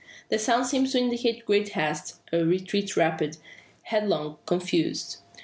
The sounds seem to indicate great haste a retreat rapid, headlong, confused.